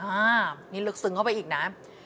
อ่านี่ลึกซึ้งเข้าไปอีกนะ